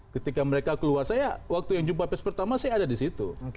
ketika mereka keluar saya waktu yang jumpa pes pertama saya ada di situ